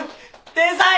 天才！